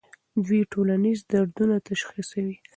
دوی ټولنیز دردونه تشخیصوي.